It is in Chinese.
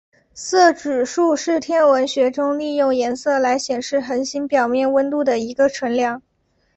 色指数是天文学中利用颜色来显示恒星表面温度的一个纯量。